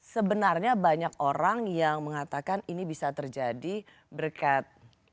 sebenarnya banyak orang yang mengatakan ini bisa terjadi berkat